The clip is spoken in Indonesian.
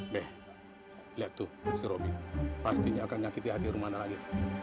deh lihat tuh si robby pastinya akan nyakiti hati romana lagi